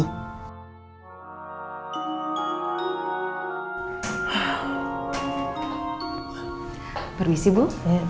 oh cari penyakit